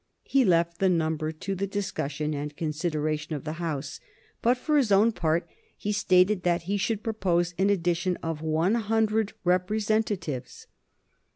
He left the number to the discussion and consideration of the House, but for his own part he stated that he should propose an addition of one hundred representatives.